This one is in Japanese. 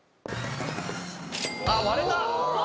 あっ割れた！